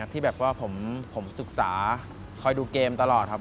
ที่แบบว่าผมศึกษาคอยดูเกมตลอดครับ